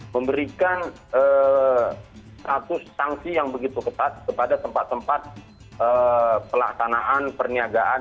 memberikan status sanksi yang begitu ketat kepada tempat tempat pelaksanaan perniagaan